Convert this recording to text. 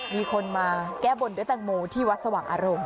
มีคนมาแก้บนด้วยแตงโมที่วัดสว่างอารมณ์